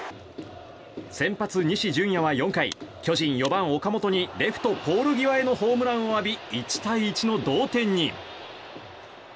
先発、西純矢は４回巨人、４番、岡本にレフトポール際へのホームランを浴び１対１の同点に。